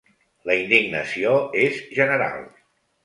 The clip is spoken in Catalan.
La indignació és general.